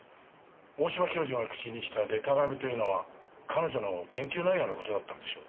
大島教授が口にした「でたらめ」というのは彼女の研究内容の事だったんでしょう。